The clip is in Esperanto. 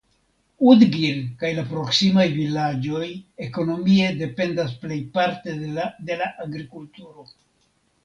Udgir kaj la proksimaj vilaĝoj ekonomie dependas plejparte de la agrikulturo.